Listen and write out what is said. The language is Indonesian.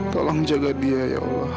tolong jaga dia ya allah